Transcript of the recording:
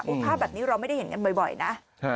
ภาพแบบนี้เราไม่ได้เห็นกันบ่อยนะ